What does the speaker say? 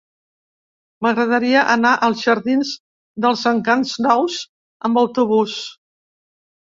M'agradaria anar als jardins dels Encants Nous amb autobús.